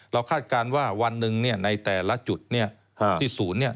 คาดการณ์ว่าวันหนึ่งในแต่ละจุดที่ศูนย์เนี่ย